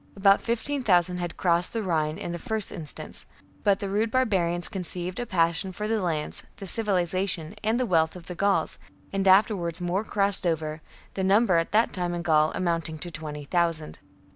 About fifteen thousand had crossed the Rhine in the first instance ; but the rude barbarians conceived a passion for the lands, the civilization, and the wealth of the Gauls, and afterwards more crossed over, the number at that time in Gaul amounting to twenty thousand.